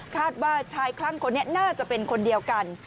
ว่าชายคลั่งคนนี้น่าจะเป็นคนเดียวกัน